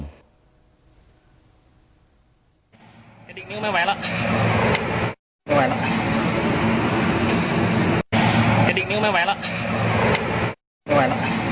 ไม่ไหวไม่ไหวไม่ไหวแล้ว